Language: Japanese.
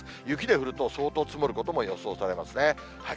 雪で降ると、相当積もることも予想されますね。